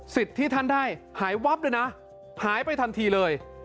ที่ท่านได้หายวับเลยนะหายไปทันทีเลย